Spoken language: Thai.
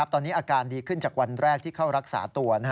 ตอนนี้อาการดีขึ้นจากวันแรกที่เข้ารักษาตัว